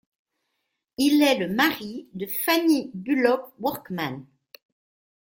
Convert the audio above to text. Il est le mari de Fanny Bullock Workman.